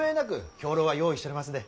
兵糧は用意しとりますで。